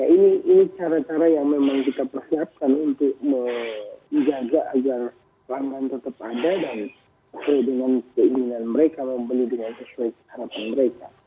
ini cara cara yang memang kita persiapkan untuk menjaga agar pelanggan tetap ada dan sesuai dengan keinginan mereka membeli dengan sesuai harapan mereka